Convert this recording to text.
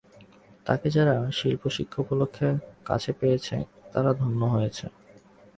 তাঁকে যারা শিল্পশিক্ষা উপলক্ষে কাছে পেয়েছে তারা ধন্য হয়েছে।